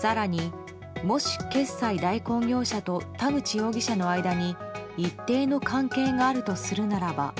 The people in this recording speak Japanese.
更に、もし決済代行業者と田口容疑者の間に一定の関係があるとするならば。